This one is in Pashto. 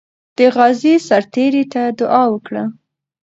دې غازي سرتیري ته دعا وکړه.